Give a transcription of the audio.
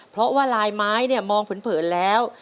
เพราะว่าลายไม้เนี่ยมองเผินแล้ว